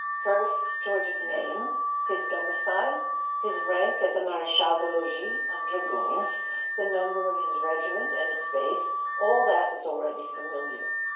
First George's name, his domicile, his rank as a mare chal des logis of dragoons, the number of his regiment and its base: all that was already familiar.